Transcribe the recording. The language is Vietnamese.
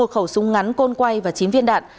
một khẩu súng ngắn côn quay và chín viên đạn